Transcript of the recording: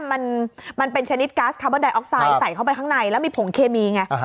มันมันเป็นชนิดการ์ดเข้าไปข้างในแล้วมีผงเคมีไงอ่าฮะ